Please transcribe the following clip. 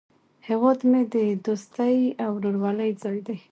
هیواد مې د دوستۍ او ورورولۍ ځای دی